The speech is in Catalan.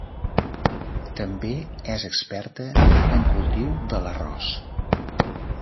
També és experta en cultiu de l'arròs.